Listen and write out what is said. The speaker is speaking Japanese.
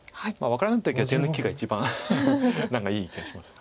分からない時は手抜きが一番いい気がします。